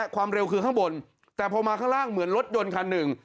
ความเร็วคือข้างบนแต่พอมาข้างล่างเหมือนรถยนต์คันหนึ่ง